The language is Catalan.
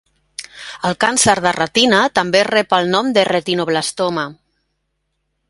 El càncer de retina també rep el nom de retinoblastoma.